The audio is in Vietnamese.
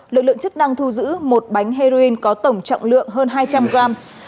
lực lượng chức năng thu giữ một bánh heroin có tổng trọng lượng hơn hai trăm linh gram